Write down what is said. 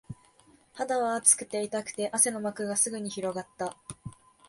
肌は熱くて、痛くて、汗の膜がすぐに広がった